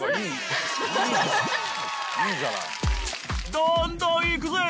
どんどんいくぜ！